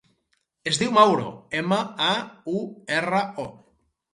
Es diu Mauro: ema, a, u, erra, o.